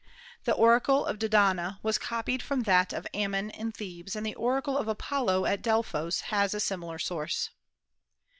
The oracle of Dodona was copied from that of Ammon in Thebes, and the oracle of Apollo at Delphos has a similar source."